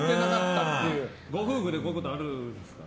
ご夫婦でこういうことありますか。